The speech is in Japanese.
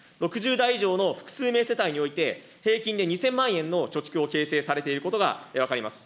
６０代以上の複数名世帯において、平均で２０００万円の貯蓄を形成されていることが分かります。